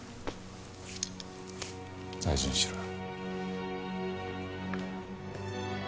大事にしろよ。